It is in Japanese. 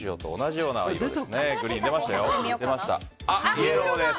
イエローです。